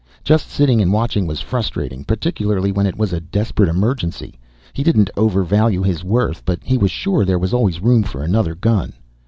Just sitting and watching was frustrating. Particularly when it was a desperate emergency. He didn't overvalue his worth, but he was sure there was always room for another gun.